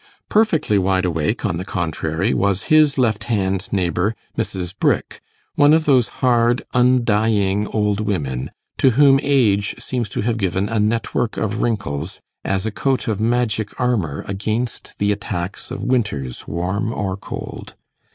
Perfectly wide awake, on the contrary, was his left hand neighbour, Mrs. Brick, one of those hard undying old women, to whom age seems to have given a network of wrinkles, as a coat of magic armour against the attacks of winters, warm or cold.